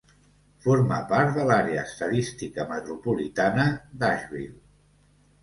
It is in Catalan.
Forma part de l'Àrea Estadística Metropolitana d'Asheville.